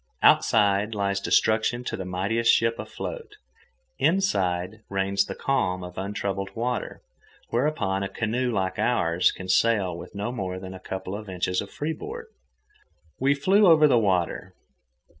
Outside lies destruction to the mightiest ship afloat. Inside reigns the calm of untroubled water, whereon a canoe like ours can sail with no more than a couple of inches of free board. We flew over the water.